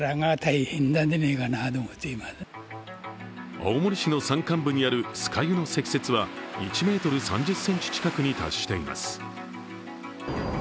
青森市の山間部にある酸ヶ湯の積雪は１ｍ３０ｃｍ近くに達しています。